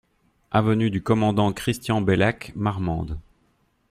Avenue du Commandant Christian Baylac, Marmande